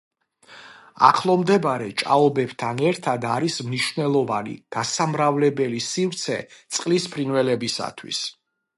ახლომდებარე ჭაობებთან ერთად არის მნიშვნელოვანი გასამრავლებელი სივრცე წყლის ფრინველებისათვის.